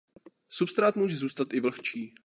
Substrát může zůstat i vlhčí.